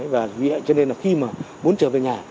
và vì vậy cho nên là khi mà muốn trở về nhà